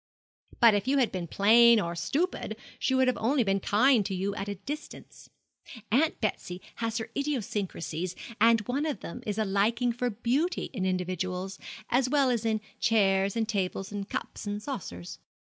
'But if you had been plain or stupid she would have only been kind to you at a distance. Aunt Betsy has her idiosyncrasies, and one of them is a liking for beauty in individuals, as well as in chairs and tables and cups and saucers.